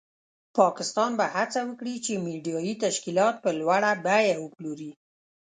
پاکستان به هڅه وکړي چې میډیایي تشکیلات په لوړه بیه وپلوري.